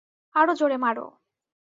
আরো জোরে মারো!